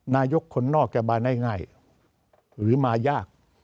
นายกคนนอกจะมาได้ง่ายหรือมายาก